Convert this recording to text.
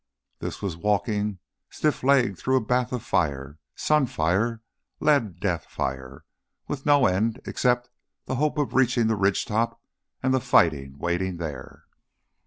This was walking stiff legged through a bath of fire sun fire, lead death fire with no end except the hope of reaching the ridge top and the fight waiting there.